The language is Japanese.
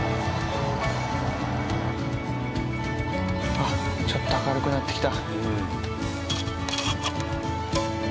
あっちょっと明るくなってきた。